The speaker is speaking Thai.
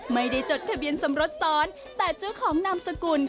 ไม่ได้จดทะเบียนสมรสซ้อนแต่เจ้าของนามสกุล